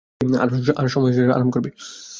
আর সময় শেষ হয়ে এলে আরাম করবে।